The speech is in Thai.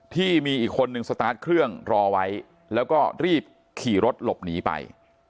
ที่มีอีกคนนึงสตาร์ทเครื่องรอไว้แล้วก็รีบขี่รถหลบหนีไป